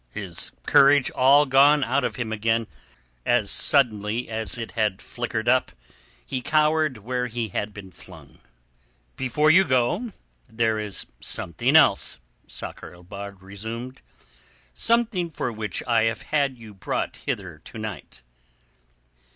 His courage all gone out of him again, as suddenly as it had flickered up, he cowered where he had been flung. "Before you go there is something else," Sakr el Bahr resumed, "something for which I have had you brought hither to night.